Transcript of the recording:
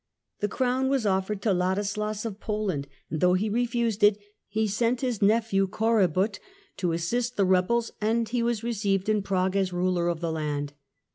The crown was offered to Ladislas of Poland, and though he refused it, he sent his nephew Korybut to assist the rebels, and he was received in Prague as ruler of the land.